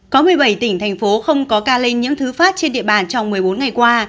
có một mươi bảy tỉnh thành phố không có ca lây nhiễm thứ phát trên địa bàn trong một mươi bốn ngày qua